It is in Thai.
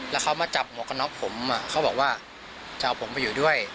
แล้วเขามาจับหมวกกันน็อกผมเขาบอกว่าจะเอาผมไปอยู่ด้วย